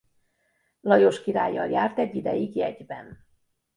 Lajos királlyal járt egy ideig jegyben.